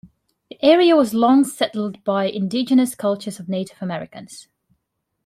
The area was long settled by indigenous cultures of Native Americans.